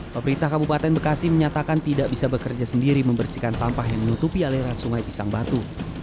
pemerintah kabupaten bekasi menyatakan tidak bisa bekerja sendiri membersihkan sampah yang menutupi aliran sungai pisang batu